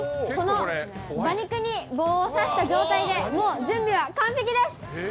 この馬肉に棒を刺した状態で、もう準備は完璧です。